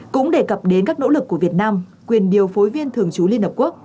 cũng đề cập đến các nỗ lực của việt nam quyền điều phối viên thường trú liên hợp quốc